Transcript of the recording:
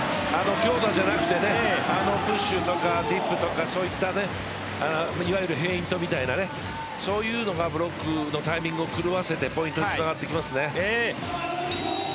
強打じゃなくてプッシュとかディグとかフェイントみたいなそういうのがブロックのタイミングを狂わせてポイントにつながってきますね。